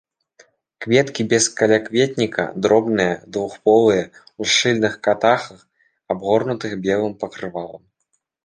Кветкі без калякветніка, дробныя, двухполыя, у шчыльных катахах, абгорнутых белым пакрывалам.